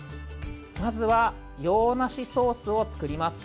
まずは洋梨ソースを作ります。